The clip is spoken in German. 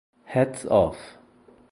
Hats Off!